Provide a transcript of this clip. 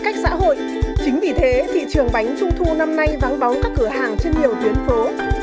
cách xã hội chính vì thế thị trường bánh trung thu năm nay vắng bóng các cửa hàng trên nhiều tuyến phố